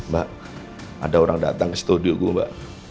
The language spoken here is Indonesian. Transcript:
mbak ada orang datang ke studio gue mbak